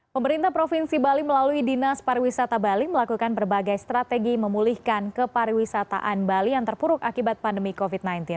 pemerintah provinsi bali melalui dinas pariwisata bali melakukan berbagai strategi memulihkan kepariwisataan bali yang terpuruk akibat pandemi covid sembilan belas